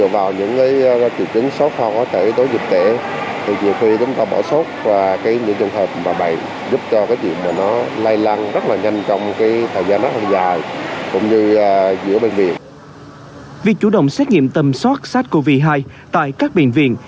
việc chủ động xét nghiệm tầm soát sars cov hai tại các bệnh viện